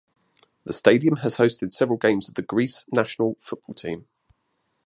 The stadium has hosted several games of the Greece national football team.